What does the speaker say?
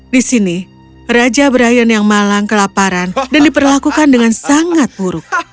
di sini raja brian yang malang kelaparan dan diperlakukan dengan sangat buruk